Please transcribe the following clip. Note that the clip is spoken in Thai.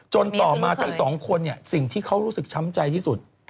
ต่อมาทั้งสองคนสิ่งที่เขารู้สึกช้ำใจที่สุด